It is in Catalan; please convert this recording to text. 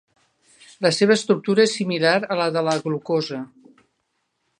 La seva estructura és similar a la de la glucosa.